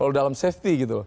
kalau dalam safety gitu